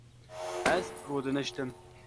Ez rûdiniştim